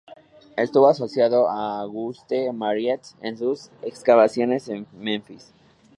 Estuvo asociado a Auguste Mariette en sus excavaciones en Menfis.